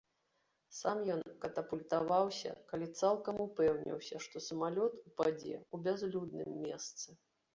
Сам ён катапультаваўся, калі цалкам упэўніўся, што самалёт упадзе ў бязлюдным месцы.